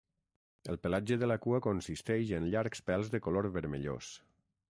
El pelatge de la cua consisteix en llargs pèls de color vermellós.